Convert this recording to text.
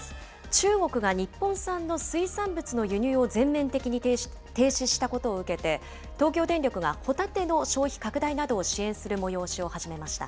中国が日本産の水産物の輸入を全面的に停止したことを受けて、東京電力がホタテの消費拡大などを支援する催しを始めました。